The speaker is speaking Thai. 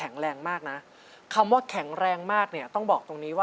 เพื่อการนำไปพัฒนาสู่การเป็นศิลปินน่ะ